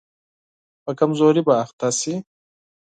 په کمزوري به اخته شي.